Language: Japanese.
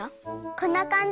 こんなかんじ？